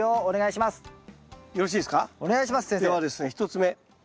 １つ目。